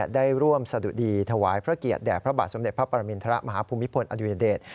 ได้ร่วมสะดุดีถวายพระเกียรติแด่พระบาทสมเด็จพระปรมินทรมาฮภูมิพลอดุญเดช